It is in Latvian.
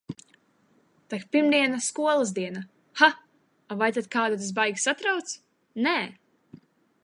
Tak pirmdiena skolas diena. Ha, a vai tad kādu tas baigi satrauc? Nē!